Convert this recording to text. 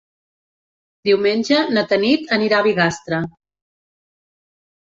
Diumenge na Tanit anirà a Bigastre.